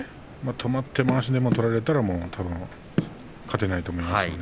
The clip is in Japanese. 止まって、まわしでも取られたらもう勝てないと思います。